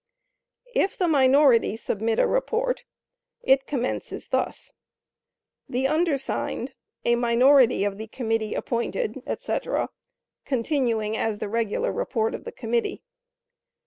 If the minority submit a report, it commences thus: "The undersigned, a minority of the committee appointed," etc., continuing as the regular report of the committee.